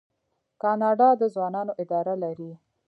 کاناډا د ځوانانو اداره لري.